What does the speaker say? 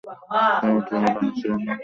বাথরুমে পানি ছিল কি ছিল না, তা এত জরুরি কেন?